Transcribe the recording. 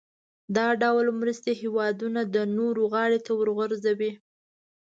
دا ډول مرستې هېوادونه د نورو غاړې ته ورغورځوي.